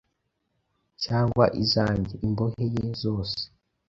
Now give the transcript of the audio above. cyangwa izanjye, imbohe ye zose